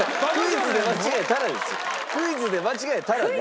クイズで間違えたらね。